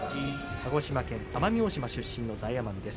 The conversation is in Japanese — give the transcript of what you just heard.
鹿児島県奄美大島出身の大奄美です。